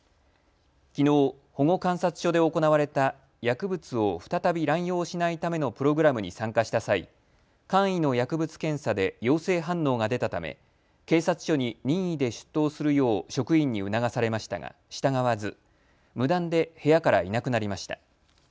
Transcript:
きのう保護観察所で行われた薬物を再び乱用しないためのプログラムに参加した際、簡易の薬物検査で陽性反応が出たため警察署に任意で出頭するよう職員に促されましたが従わず無断で部屋からいなくなりました。